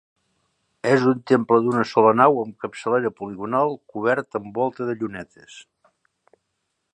És un temple d'una sola nau amb capçalera poligonal, cobert amb volta de llunetes.